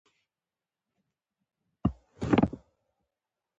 کله چې ملک الموت راغی نو سړی وډار شو.